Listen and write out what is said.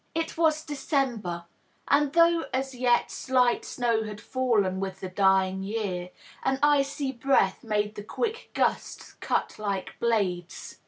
It was December, and though as yet slight snow had fallen with the dying year, an icy breath made the quick gusts cut like blades.